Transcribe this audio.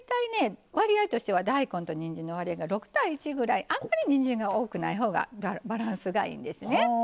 大体、大根とにんじんが６対１ぐらいあんまり、にんじんが多くないほうがバランスがいいんですね。